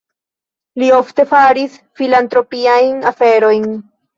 Li ofte faris filantropiajn aferojn.